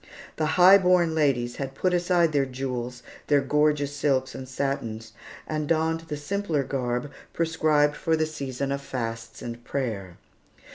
The high born ladies had put aside their jewels, their gorgeous silks and satins, and donned the simpler garb prescribed for the season of fasts and prayer.